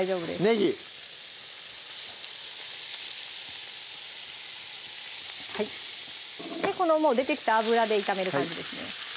ねぎこのもう出てきた脂で炒める感じですね